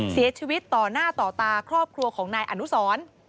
เสียชีวิตต่อหน้าต่อตาครอบครัวของนายอนุสร